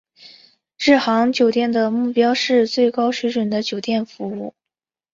日航酒店的目标是最高水准的酒店服务。